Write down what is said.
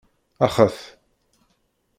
Axet!